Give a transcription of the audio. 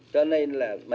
cho nên là